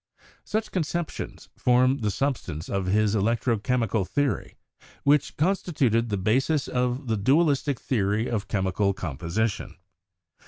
Such conceptions formed the substance of his electro chemical theory, which constituted the basis of the dual istic theory of chemical composition.